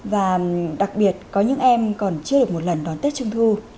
và đặc biệt có những em còn chưa được một lần đón tết trung thu